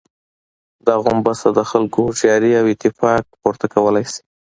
دا غومبسه د خلکو هوښياري او اتفاق، پورته کولای شي.